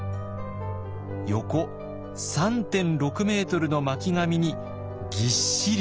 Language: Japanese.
横３．６ｍの巻紙にぎっしりと。